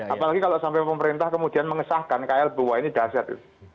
apalagi kalau sampai pemerintah kemudian mengesahkan klbw ini dasar